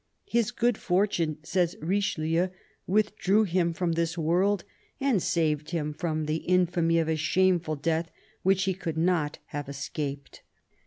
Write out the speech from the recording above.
" His good fortune," says Richelieu, " withdrew him from this world, and saved him from the infamy of a shameful death, which he could not have escaped."